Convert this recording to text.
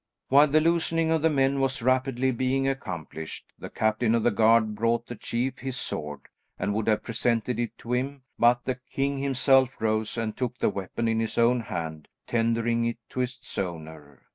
While the loosening of the men was rapidly being accomplished, the captain of the guard brought the chief his sword, and would have presented it to him, but the king himself rose and took the weapon in his own hand, tendering it to its owner.